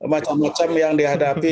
macam macam yang dihadapi